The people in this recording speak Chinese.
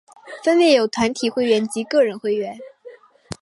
分别有团体会员及个人会员。